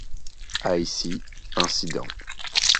À Issy, incident.